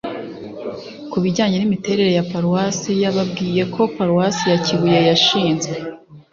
ku bijyanye n'imiterere ya paruwasi, yababwiye ko paruwasi ya kibuye yashinzwe